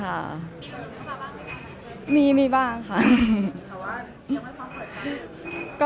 เพราะว่าบ้างไหมครับ